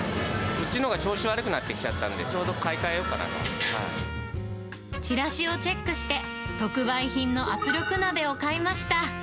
うちのが調子悪くなってきちゃったんで、ちょうど買い替えようかチラシをチェックして、特売品の圧力鍋を買いました。